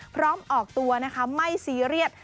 ออกตัวนะคะไม่ซีเรียส